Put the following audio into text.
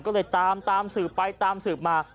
ก็เลยตามตามสืบไปตามสืบมา